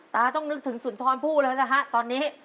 ต้องนึกถึงสุนทรผู้แล้วนะฮะตอนนี้